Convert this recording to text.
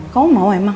kamu mau emang